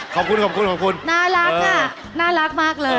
ขอบคุณขอบคุณน่ารักค่ะน่ารักมากเลย